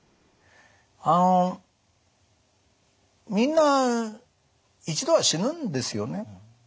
あのみんな一度は死ぬんですよね。